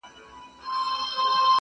o قاسم یار چي په ژړا کي په خندا سي,